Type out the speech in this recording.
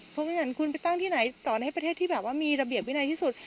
เพราะฉะนั้นคุณไปตั้งที่ไหนต่อในประเทศที่แบบว่ามีระเบียบวินัยที่สุด